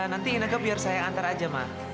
nanti inaka biar saya antar aja ma